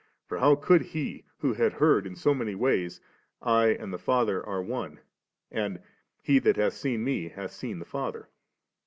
for how should he, who had heard in so many wajrs, *I and the Father are one/ and * He that hath seen Me, hath seen the Father 4?)'